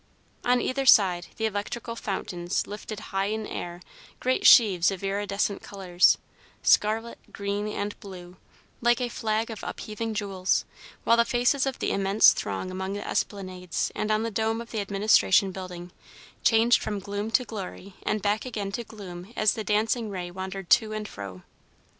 On either side, the electrical fountains lifted high in air great sheaves of iridescent colors, scarlet, green, and blue, like a flag of upheaving jewels, while the faces of the immense throng along the esplanades and on the dome of the Administration Building changed from gloom to glory and back again to gloom as the dancing ray wandered to and fro.